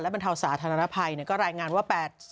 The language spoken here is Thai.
และบรรเทาศาสตร์ธนภัยเนี่ยก็รายงานว่าเป็นเอ่อ